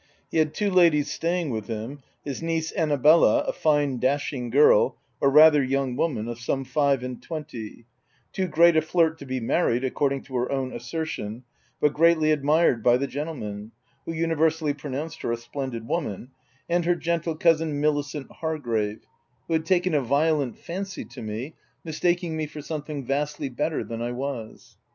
He had two ladies staying with him, his niece An nabella, a fine dashing girl, or rather young woman, of some five and twenty, too great a flirt to be married, according to her own asser tion, but greatly admired by the gentlemen, who universally pronounced her a splendid woman, — and her gentle cousin Milicent Har grave, who had taken a violent fancy to me, mistaking me for something vastly better than o 3 298 THE TENANT I was.